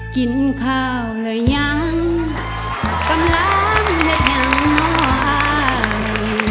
กินข้าวแล้วยังกำลังให้แข็งไหว